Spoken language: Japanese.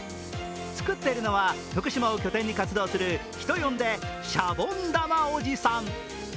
作っているのは福島を拠点に活動する、人呼んでシャボン玉おじさん。